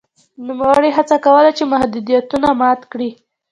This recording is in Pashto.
نوموړي هڅه کوله چې محدودیتونه مات کړي.